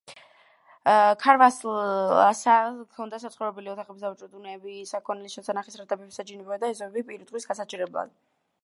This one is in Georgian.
ქარვასლას ჰქონდა საცხოვრებელი ოთახები, სავაჭრო დუქნები, საქონლის შესანახი სარდაფები, საჯინიბოები და ეზოები პირუტყვის გასაჩერებლად.